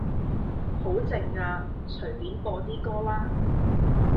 好靜呀，隨便播啲歌啦